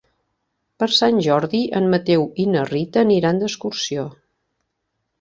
Per Sant Jordi en Mateu i na Rita aniran d'excursió.